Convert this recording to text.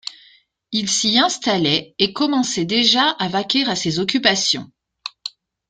Il s'y installait et commençait déjà à vaquer à ses occupations.